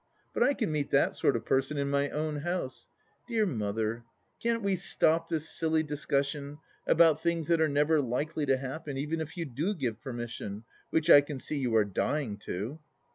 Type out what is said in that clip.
But I can meet that sort of person in my own house. .. Dear Mother, can't we stop this silly discussion about things that are never likely to happen, even if you do give permission, which I can see you are dying to.